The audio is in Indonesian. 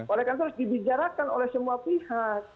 oleh kan terus dibicarakan oleh semua pihak